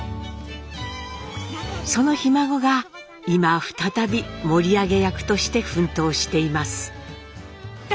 そのひ孫が今再び盛り上げ役として奮闘しています。